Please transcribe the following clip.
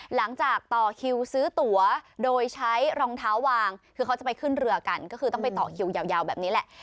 หลังจากต่อคิวซื้อตัวโดยใช้รองเท้าวางคือเขาจะไปขึ้นเรือกันก็คือต้องไปต่อคิวยาวแบบนี้แหละ